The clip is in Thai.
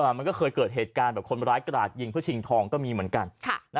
มันก็เคยเกิดเหตุการณ์แบบคนร้ายกราดยิงเพื่อชิงทองก็มีเหมือนกัน